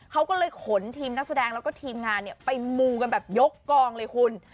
เขาก็เลยขนทีมนักแสดงแล้วก็ทีมงานไปมูกันแบบยกกองเลยคุณ